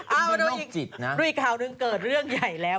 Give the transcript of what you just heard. เอ้าด้วยอีกด้วยอีกคราวนึงเกิดเรื่องใหญ่แล้ว